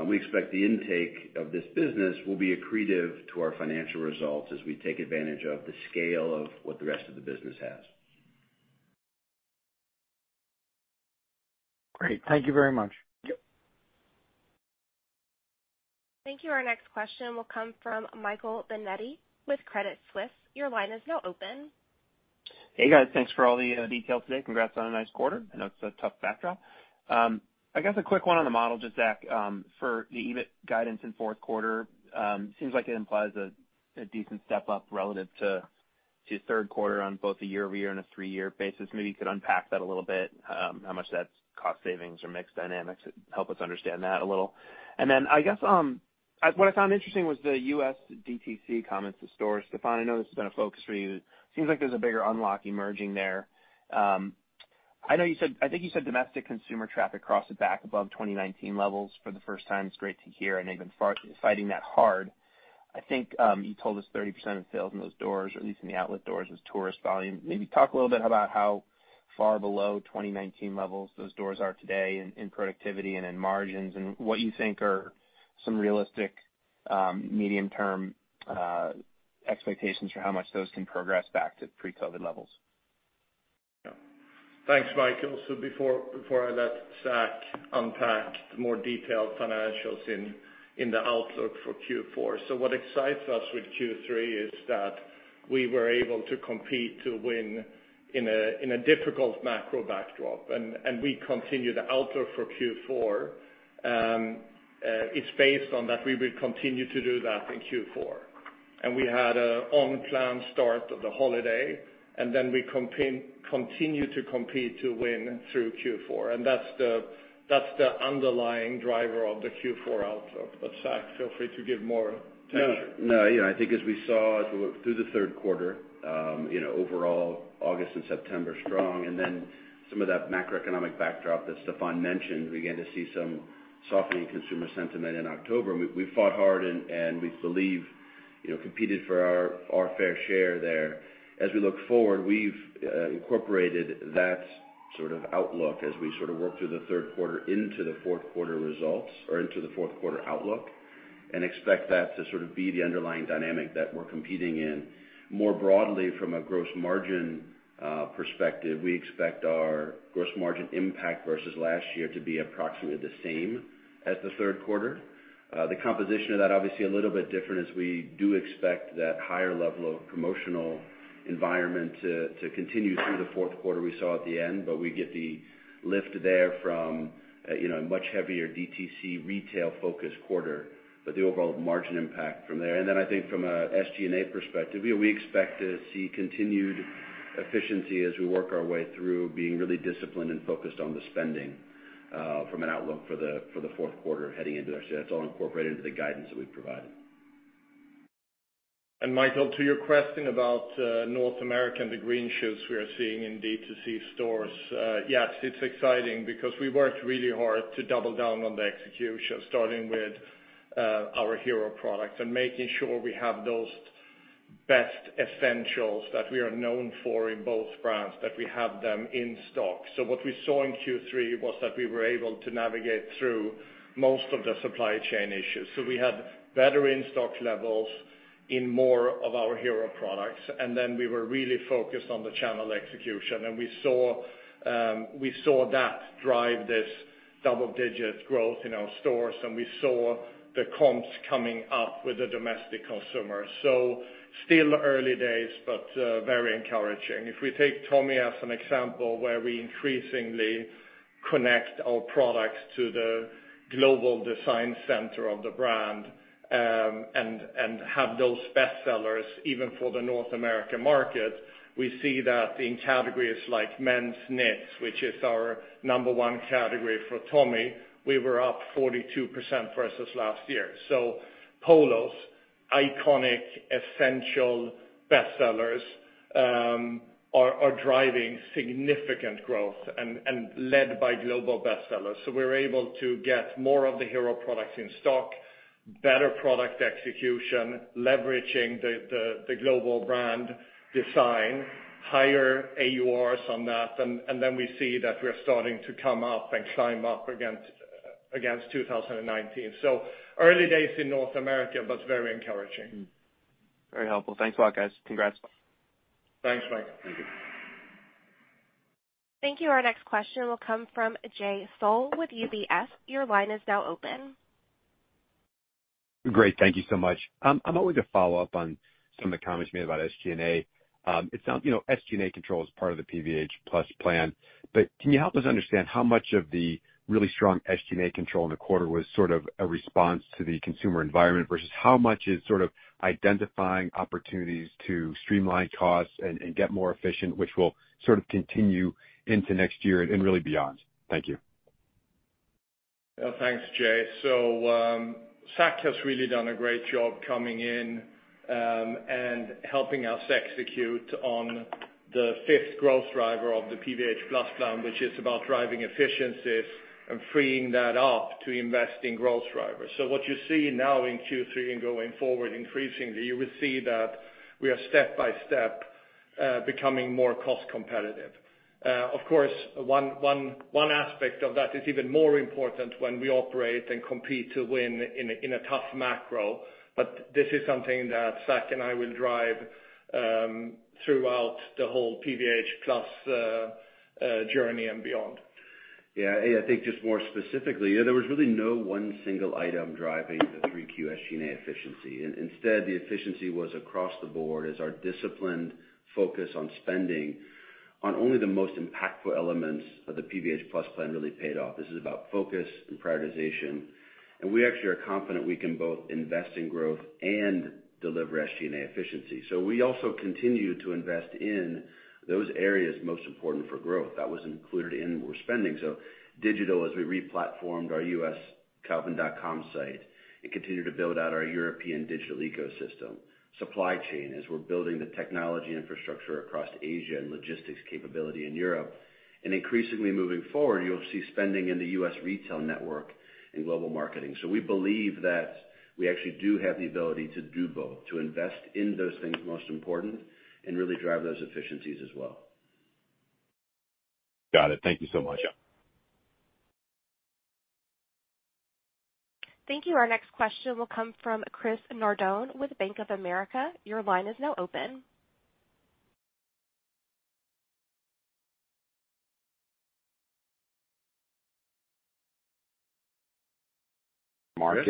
[SPEAKER 4] We expect the intake of this business will be accretive to our financial results as we take advantage of the scale of what the rest of the business has.
[SPEAKER 5] Great. Thank you very much.
[SPEAKER 4] Thank you.
[SPEAKER 1] Thank you. Our next question will come from Michael Binetti with Credit Suisse. Your line is now open.
[SPEAKER 6] Hey, guys. Thanks for all the details today. Congrats on a nice quarter. I know it's a tough backdrop. I guess a quick one on the model, just Zac, for the EBIT guidance in fourth quarter, seems like it implies a decent step up relative to third quarter on both a year-over-year and a three-year basis. Maybe you could unpack that a little, how much that's cost savings or mix dynamics. Help us understand that a little. I guess, what I found interesting was the U.S. DTC comments to stores. Stefan, I know this has been a focus for you. Seems like there's a bigger unlock emerging there. I know you said, I think you said domestic consumer traffic crossed back above 2019 levels for the first time. It's great to hear. I know you've been fighting that hard. I think you told us 30% of the sales in those doors, or at least in the outlet doors, was tourist volume. Maybe talk a little bit about how far below 2019 levels those doors are today in productivity and in margins, and what you think are some realistic, medium-term, expectations for how much those can progress back to pre-COVID levels.
[SPEAKER 3] Yeah. Thanks, Michael. Before I let Zac unpack the more detailed financials in the outlook for Q4. What excites us with Q3 is that we were able to compete to win in a difficult macro backdrop, and we continue the outlook for Q4. It's based on that, we will continue to do that in Q4. We had a on-plan start of the holiday, and then we continue to compete to win through Q4. That's the underlying driver of the Q4 outlook. Zac, feel free to give more texture.
[SPEAKER 4] No, no, you know, I think as we saw through the third quarter, you know, overall, August and September strong, and then some of that macroeconomic backdrop that Stefan mentioned, began to see some softening consumer sentiment in October. We fought hard and we believe, you know, competed for our fair share there. As we look forward, we've incorporated that sort of outlook as we sort of work through the third quarter into the fourth quarter results or into the fourth quarter outlook, and expect that to sort of be the underlying dynamic that we're competing in. More broadly, from a gross margin perspective, we expect our gross margin impact versus last year to be approximately the same as the third quarter. The composition of that obviously a little bit different as we do expect that higher level of promotional environment to continue through the fourth quarter we saw at the end. We get the lift there from, you know, a much heavier DTC retail-focused quarter, but the overall margin impact from there. I think from a SG&A perspective, you know, we expect to see continued efficiency as we work our way through being really disciplined and focused on the spending from an outlook for the fourth quarter heading into next year. That's all incorporated into the guidance that we've provided.
[SPEAKER 3] Michael, to your question about North America and the green shoots we are seeing in DTC stores. Yes, it's exciting because we worked really hard to double down on the execution, starting with our hero products and making sure we have those best essentials that we are known for in both brands, that we have them in stock. What we saw in Q3 was that we were able to navigate through most of the supply chain issues. We had better in-stock levels in more of our hero products. Then we were really focused on the channel execution. We saw that drive this double-digit growth in our stores. We saw the comps coming up with the domestic customers. Still early days, but very encouraging. If we take Tommy as an example where we increasingly connect our products to the global design center of the brand, and have those best sellers, even for the North American market, we see that in categories like men's knits, which is our number one category for Tommy, we were up 42% versus last year. Polos, iconic, essential bestsellers, are driving significant growth and led by global bestsellers. We're able to get more of the hero products in stock, better product execution, leveraging the global brand design, higher AURs on that. Then we see that we're starting to come up and climb up against 2019. Early days in North America, but very encouraging.
[SPEAKER 6] Very helpful. Thanks a lot, guys. Congrats.
[SPEAKER 3] Thanks, Michael.
[SPEAKER 4] Thank you.
[SPEAKER 1] Thank you. Our next question will come from Jay Sole with UBS. Your line is now open.
[SPEAKER 7] Great. Thank you so much. I'm going to follow up on some of the comments made about SG&A. It sounds, you know, SG&A control is part of the PVH+ Plan plan, but can you help us understand how much of the really strong SG&A control in the quarter was sort of a response to the consumer environment versus how much is sort of identifying opportunities to streamline costs and get more efficient, which will sort of continue into next year and really beyond? Thank you.
[SPEAKER 3] Yeah. Thanks, Jay. Zac has really done a great job coming in and helping us execute on the fifth growth driver of the PVH+ Plan, which is about driving efficiencies and freeing that up to invest in growth drivers. What you see now in Q3 and going forward, increasingly, you will see that we are step-by-step becoming more cost competitive. Of course, one aspect of that is even more important when we operate and compete to win in a tough macro. This is something that Zac and I will drive throughout the whole PVH+ Plan journey and beyond.
[SPEAKER 4] Yeah. I think just more specifically, there was really no one single item driving the 3Q SG&A efficiency. Instead, the efficiency was across the board as our disciplined focus on spending. On only the most impactful elements of the PVH+ Plan really paid off. This is about focus and prioritization, and we actually are confident we can both invest in growth and deliver SG&A efficiency. We also continue to invest in those areas most important for growth. That was included in more spending. Digital, as we re-platformed our U.S. calvin.com site and continue to build out our European digital ecosystem. Supply chain, as we're building the technology infrastructure across Asia and logistics capability in Europe, and increasingly moving forward, you'll see spending in the U.S. retail network and global marketing. We believe that we actually do have the ability to do both, to invest in those things most important and really drive those efficiencies as well.
[SPEAKER 7] Got it. Thank you so much.
[SPEAKER 1] Thank you. Our next question will come from Christopher Nardone with Bank of America. Your line is now open.
[SPEAKER 8] Marcus.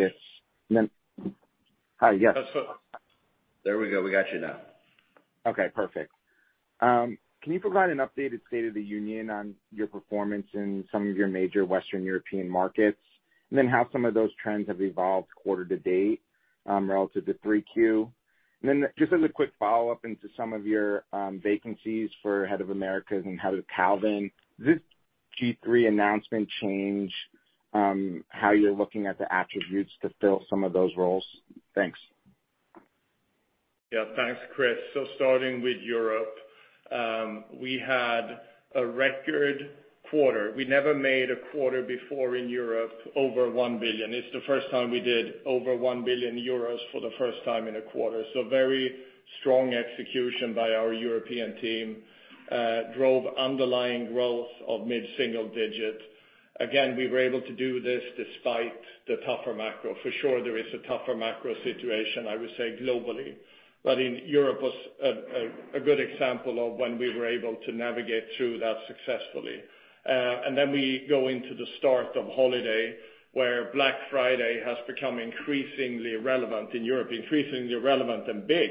[SPEAKER 8] Hi. Yes.
[SPEAKER 3] There we go. We got you now.
[SPEAKER 8] Okay, perfect. Can you provide an updated state of the union on your performance in some of your major Western European markets, how some of those trends have evolved quarter to date, relative to 3Q? Just as a quick follow-up into some of your vacancies for Head of Americas and Head of Calvin, does this G-III announcement change how you're looking at the attributes to fill some of those roles? Thanks.
[SPEAKER 3] Thanks, Chris. Starting with Europe, we had a record quarter. We never made a quarter before in Europe over 1 billion. It's the first time we did over 1 billion euros for the first time in a quarter. Very strong execution by our European team, drove underlying growth of mid-single digit. Again, we were able to do this despite the tougher macro. For sure, there is a tougher macro situation, I would say, globally. Europe was a good example of when we were able to navigate through that successfully. Then we go into the start of holiday, where Black Friday has become increasingly relevant in Europe, increasingly relevant and big.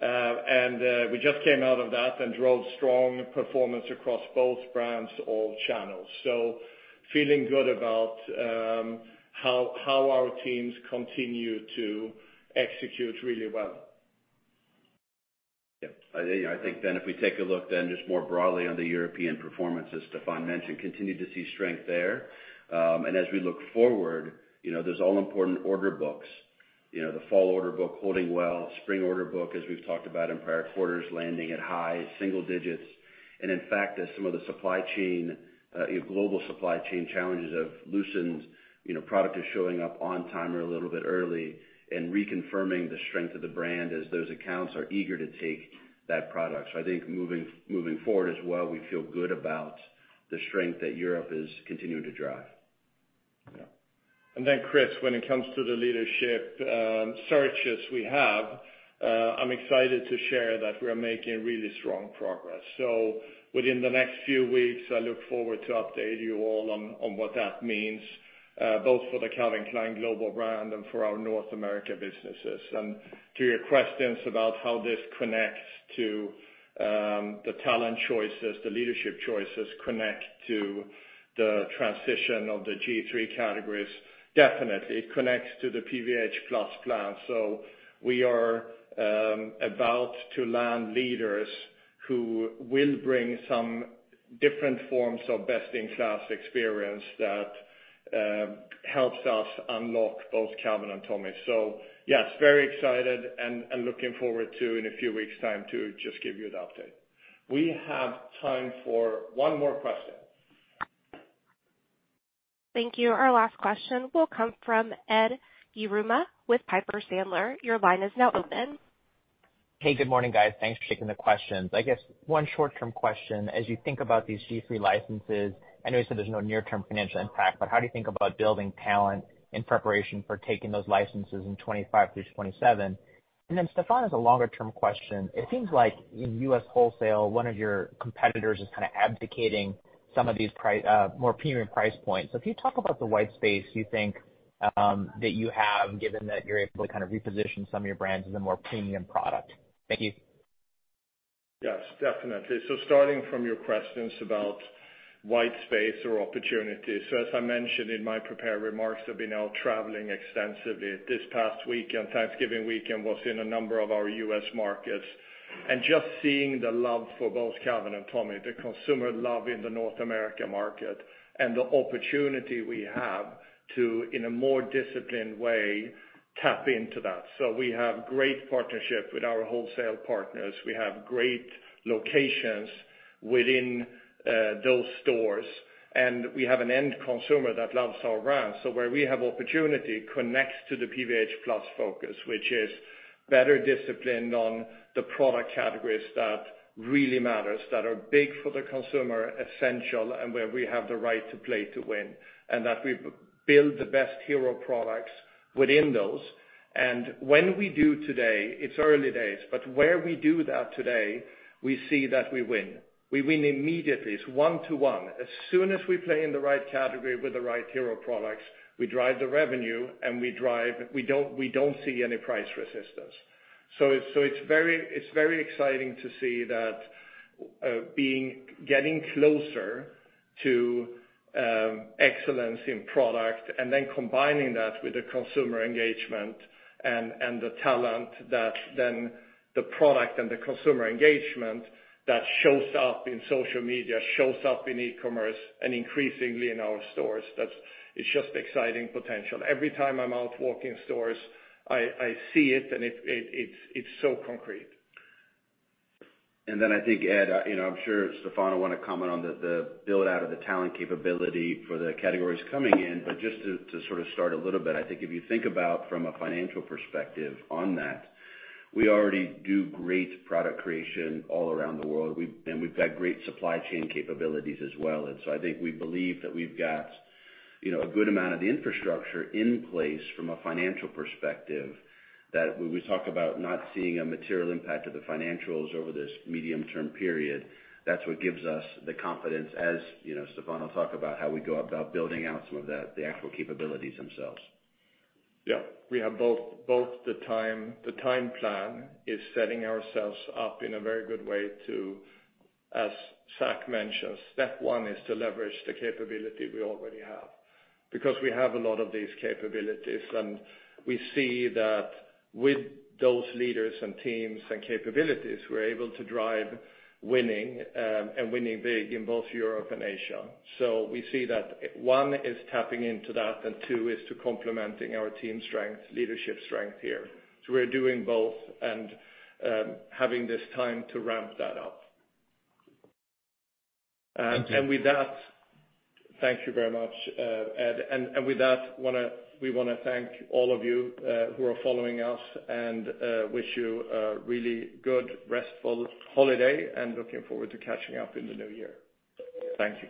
[SPEAKER 3] We just came out of that and drove strong performance across both brands, all channels. Feeling good about how our teams continue to execute really well. I think if we take a look just more broadly on the European performance, as Stefan mentioned, continue to see strength there. As we look forward, you know, those all-important order books. You know, the fall order book holding well, spring order book, as we've talked about in prior quarters, landing at high single digits. In fact, as some of the supply chain, global supply chain challenges have loosened, you know, product is showing up on time or a little bit early and reconfirming the strength of the brand as those accounts are eager to take that product. I think moving forward as well, we feel good about the strength that Europe is continuing to drive.
[SPEAKER 8] Yeah.
[SPEAKER 3] Chris, when it comes to the leadership searches we have, I'm excited to share that we are making really strong progress. Within the next few weeks, I look forward to update you all on what that means, both for the Calvin Klein global brand and for our North America businesses. To your questions about how this connects to the talent choices, the leadership choices connect to the transition of the G-III categories, definitely. It connects to the PVH+ Plan. We are about to land leaders who will bring some different forms of best-in-class experience that helps us unlock both Calvin and Tommy. Yes, very excited and looking forward to, in a few weeks' time, to just give you an update. We have time for one more question.
[SPEAKER 1] Thank you. Our last question will come from Edward Yruma with Piper Sandler. Your line is now open.
[SPEAKER 9] Hey, good morning, guys. Thanks for taking the questions. I guess one short-term question. As you think about these G-III licenses, I know you said there's no near-term financial impact, but how do you think about building talent in preparation for taking those licenses in 2025 through 2027? Stefan, as a longer-term question. It seems like in U.S. wholesale, one of your competitors is kinda abdicating some of these more premium price points. Can you talk about the white space you think that you have, given that you're able to kind of reposition some of your brands as a more premium product? Thank you.
[SPEAKER 3] Yes, definitely. Starting from your questions about white space or opportunities. As I mentioned in my prepared remarks, I've been out traveling extensively. This past weekend, Thanksgiving weekend, was in a number of our U.S. markets. Just seeing the love for both Calvin and Tommy, the consumer love in the North America market and the opportunity we have to, in a more disciplined way, tap into that. We have great partnership with our wholesale partners. We have great locations within those stores, and we have an end consumer that loves our brand. Where we have opportunity connects to the PVH+ Plan focus, which is better discipline on the product categories that really matters, that are big for the consumer, essential, and where we have the right to play to win, and that we build the best hero products within those. When we do today, it's early days, but where we do that today, we see that we win. We win immediately. It's 1 to 1. As soon as we play in the right category with the right hero products, we drive the revenue. We don't see any price resistance. It's very exciting to see that getting closer to excellence in product and then combining that with the consumer engagement and the talent that then the product and the consumer engagement that shows up in social media, shows up in e-commerce, and increasingly in our stores. It's just exciting potential. Every time I'm out walking stores, I see it and it's so concrete.
[SPEAKER 4] I think, Ed, you know, I'm sure Stefan wanna comment on the build out of the talent capability for the categories coming in. Just to sort of start a little bit, I think if you think about from a financial perspective on that, we already do great product creation all around the world. We've got great supply chain capabilities as well. I think we believe that we've got, you know, a good amount of the infrastructure in place from a financial perspective, that when we talk about not seeing a material impact to the financials over this medium-term period, that's what gives us the confidence as, you know, Stefan talk about how we go about building out some of the actual capabilities themselves.
[SPEAKER 3] Yeah. We have both the time. The time plan is setting ourselves up in a very good way to, as Zac mentioned, step one is to leverage the capability we already have. We have a lot of these capabilities, and we see that with those leaders and teams and capabilities, we're able to drive winning and winning big in both Europe and Asia. We see that, one, is tapping into that, and two, is to complementing our team strength, leadership strength here. We're doing both and, having this time to ramp that up.
[SPEAKER 4] Thank you.
[SPEAKER 3] With that. Thank you very much, Ed. With that, we wanna thank all of you who are following us and wish you a really good, restful holiday, and looking forward to catching up in the new year. Thank you.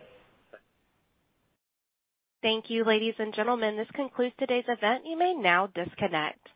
[SPEAKER 1] Thank you, ladies and gentlemen. This concludes today's event. You may now disconnect.